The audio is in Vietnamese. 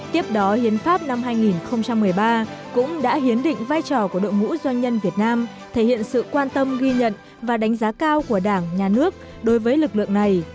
tiếp đó hiến pháp năm hai nghìn một mươi ba cũng đã hiến định vai trò của đội ngũ doanh nhân việt nam thể hiện sự quan tâm ghi nhận và đánh giá cao của đảng nhà nước đối với lực lượng này